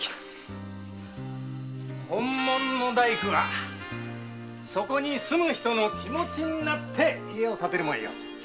ホンモノの大工はそこに住む人の気持になって家を建てるもんよ。